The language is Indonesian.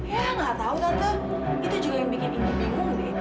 ya nggak tahu tante itu juga yang bikin indi bingung deh